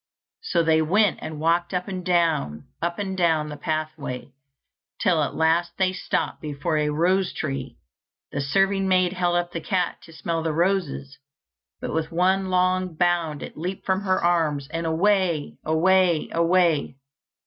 So they went and walked up and down, up and down the pathway, till at last they stopped before a rose tree; the serving maid held up the cat to smell the roses, but with one long bound it leaped from her arms and away away away.